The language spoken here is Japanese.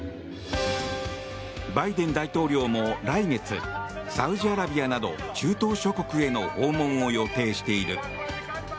バイデン大統領も来月、サウジアラビアなど中東諸国への訪問を予定している。